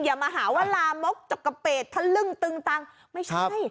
อย่ามาหาว่าลามกจกกระเปดทะลึ่งตึงตังไม่ใช่